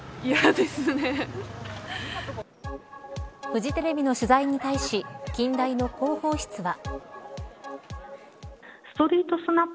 フジテレビの取材に対し近代の広報室は。